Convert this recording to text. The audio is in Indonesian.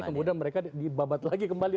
kemudian mereka dibabat lagi kembali